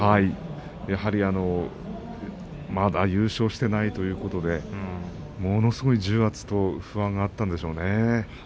やはりまだ優勝していないということでものすごい重圧と不安があったんでしょうね。